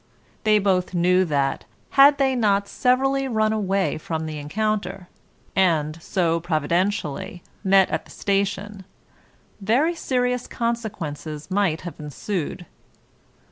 They both knew that, had they not severally run away from the encounter, and, so providentially, met at the station, very serious consequences might have ensued.